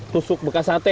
tusuk bekas sate